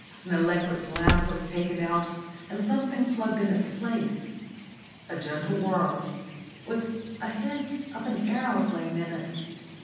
An electric lamp was taken out, and something plugged in its place. A gentle whirr, with a hint of an aeroplane in it.